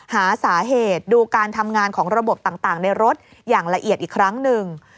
หาสาเหตุดูการทำงานของระบบต่างในรถอย่างละเอียดอีกครั้งหนึ่ง